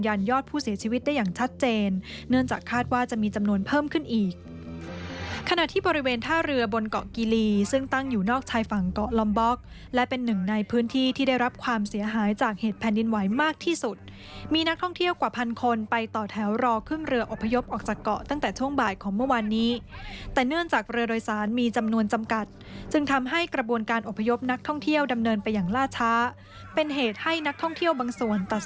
อย่างชัดเจนเนื่องจากคาดว่าจะมีจำนวนเพิ่มขึ้นอีกขณะที่บริเวณท่าเรือบนเกาะกิลีซึ่งตั้งอยู่นอกชายฝั่งเกาะลอมบอกและเป็นหนึ่งในพื้นที่ที่ได้รับความเสียหายจากเหตุแผ่นดินไหวมากที่สุดมีนักท่องเที่ยวกว่าพันคนไปต่อแถวรอเครื่องเรืออพยพออกจากเกาะตั้งแต่ช่วงบ่ายของเมื่อวานนี้แต่เ